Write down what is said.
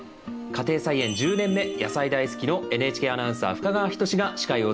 家庭菜園１０年目野菜大好きのＮＨＫアナウンサー深川仁志が司会を務めます。